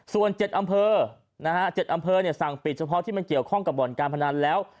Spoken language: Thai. ส่วน๗อำเภอ๗อำเภอสั่งปิดเฉพาะที่มันเกี่ยวข้องกับบ่อนการพนันแล้ว